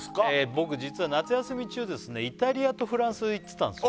僕実は夏休み中ですねイタリアとフランス行ってたんですよ